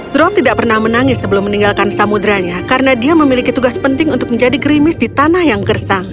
drop tidak pernah menangis sebelum meninggalkan samuderanya karena dia memiliki tugas penting untuk menjadi gerimis di tanah yang gersang